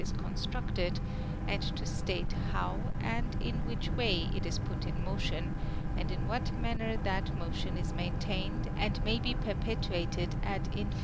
i' coiistnicted, (aid to state how, ami in 7iihich luaif it is put in motio7i, and in tvhat manne that viofion is maintained, and may be perpetuated ad inf.